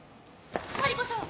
マリコさん